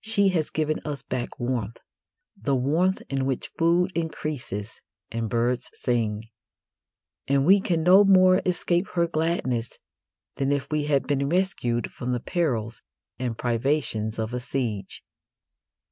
She has given us back warmth the warmth in which food increases and birds sing; and we can no more escape her gladness than if we had been rescued from the perils and privations of a siege.